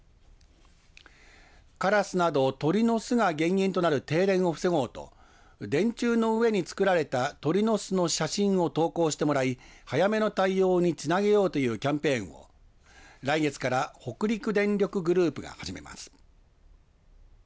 カラスなど鳥の巣が原因となる停電を防ごうと電柱の上に作られた鳥の巣の写真を投稿してもらい早めの対応につなげようというキャンペーンを来月から北陸電力グループが始めます。